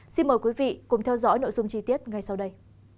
xin mời quý vị cùng theo dõi nội dung chi tiết ngay sau đây